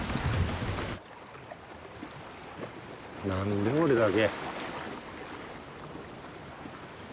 何で俺だけ。